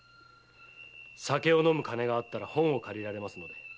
酒を飲む金があったら本を借りられますので。